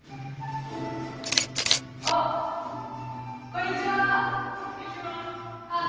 あっこんにちはあっ